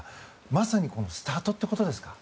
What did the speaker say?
まさにこのスタートってことですか。